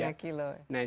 satu setengah kilo